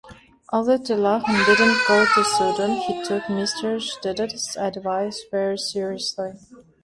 Although Tilahun did not go to Sudan, he took Mr. Shedad's advice very seriously.